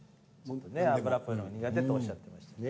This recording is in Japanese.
脂っぽいの苦手とおっしゃってましたからね。